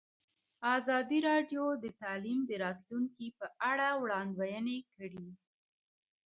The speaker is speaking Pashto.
ازادي راډیو د تعلیم د راتلونکې په اړه وړاندوینې کړې.